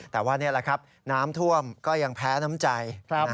แต่ว่านี่แหละครับน้ำท่วมก็ยังแพ้น้ำใจ